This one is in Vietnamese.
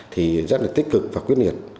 thì rất là tích cực và quyết liệt